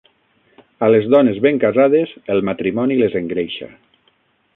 A les dones ben casades el matrimoni les engreixa